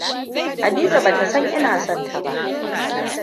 Hadiza bata san ina son ta ba.